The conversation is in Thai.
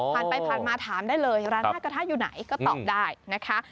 พันไปพันมาถามได้เลยร้าน๕กระทะอยู่ไหนก็ตอบได้นะคะ